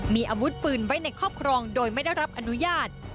มีอาวุธปืนไว้ในครอบครองโดยไม่ได้รับอนุญาต